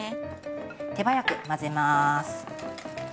手早く混ぜます。